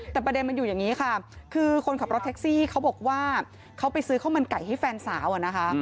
แต่ประเด็นมันอยู่อย่างนี้ค่ะคือคนขับรถแท็กซี่เขาบอกว่าเขาไปซื้อข้าวมันไก่ให้แฟนสาวอะนะคะ